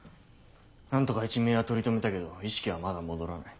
何とか一命は取り留めたけど意識はまだ戻らない。